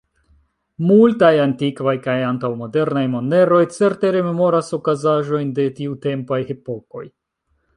Multaj antikvaj kaj antaŭ-modernaj moneroj certe rememoras okazaĵojn de tiutempaj epokoj.